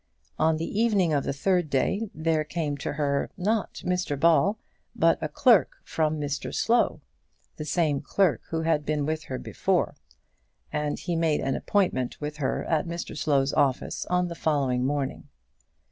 On the evening of the third day there came to her, not Mr Ball, but a clerk from Mr Slow, the same clerk who had been with her before, and he made an appointment with her at Mr Slow's office on the following morning.